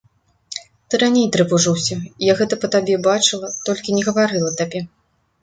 Ты раней трывожыўся, я гэта па табе бачыла, толькі не гаварыла табе.